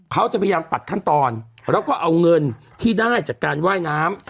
เขาจะพยายามตัดขั้นตอนแล้วก็เอาเงินที่ได้จากการว่ายน้ำ